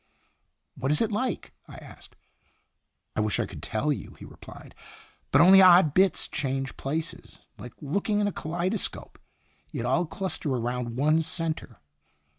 " What is it like?" I asked. " I wish I could tell you," he replied. " But only odd bits change places, like looking in a kaleidoscope; yet all cluster around one centre."